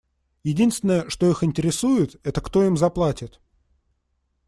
Единственное, что их интересует, — это кто им заплатит.